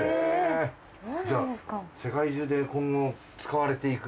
じゃあ世界中で今後使われていく。